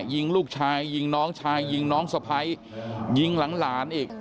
ยิงลูกชายยิงน้องชายยิงน้องสะพ้ายยิงหลังหลานอีก